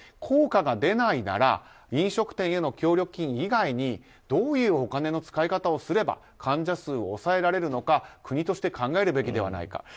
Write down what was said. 効果が出ないなら飲食店への協力金以外にどういうお金の使い方をすれば患者数を抑えられるのか国として考えるべきではないか。